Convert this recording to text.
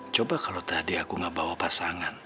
coba kalau tadi aku gak bawa pasangan